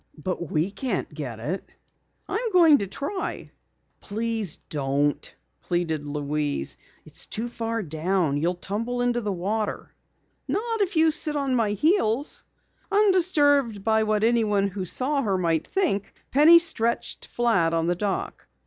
"But we can't get it." "I'm going to try." "Please don't," pleaded Louise. "It's too far down. You'll tumble into the water." "Not if you sit on my heels." Undisturbed by what anyone who saw her might think, Penny stretched flat on the dock.